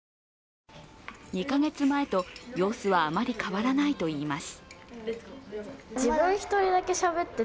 ２か月前と様子はあまり変わらないといいます。